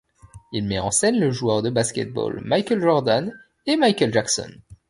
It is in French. Il met en scène le joueur de basket-ball Michael Jordan, et Michael Jacskon.